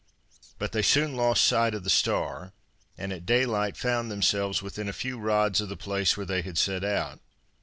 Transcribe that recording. But they soon lost sight of the star and at daylight found themselves within a few rods of the place, where they had set out.